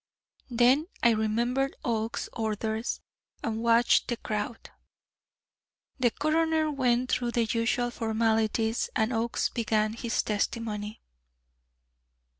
Then I remembered Oakes's orders, and watched the crowd. The coroner went through the usual formalities, and Oakes began his testimony.